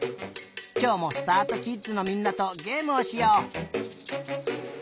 きょうもすたあとキッズのみんなとゲームをしよう。